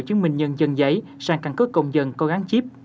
chứng minh nhân dân giấy sang căn cứ công dân có gắn chip